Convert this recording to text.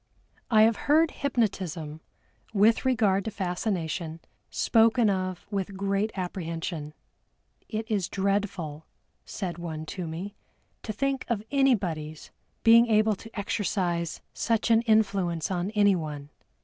I have heard hypnotism, with regard to fascination, spoken of with great apprehension. "It is dreadful," said one to me, "to think of anybody's being able to exercise such an influence on anyone."